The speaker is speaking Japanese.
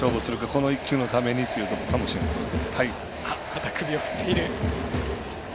この１球のためにというところかもしれないです。